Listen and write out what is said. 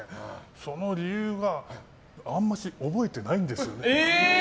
その理由があんまし覚えてないんですよね。